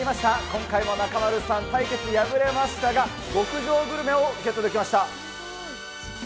今回も中丸さん、対決、敗れましたが、極上グルメをゲットできました。